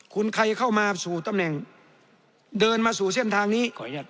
คุณใครเข้ามาสู่ตำแหน่งเดินมาสู่เส้นทางนี้ขออนุญาต